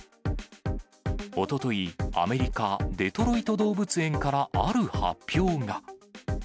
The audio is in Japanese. おととい、アメリカ・デトロイト動物園からある発表が。